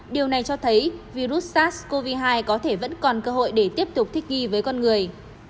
điều này cho thấy virus sars cov hai có thể vẫn còn cơ hội để tiếp tục thích nghi với con người